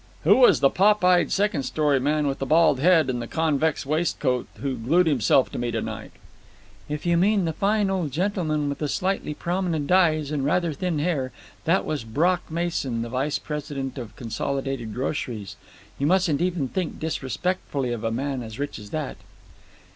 "Who was the pop eyed second story man with the bald head and the convex waistcoat who glued himself to me to night?" "If you mean the fine old gentleman with the slightly prominent eyes and rather thin hair, that was Brock Mason, the vice president of consolidated groceries. You mustn't even think disrespectfully of a man as rich as that."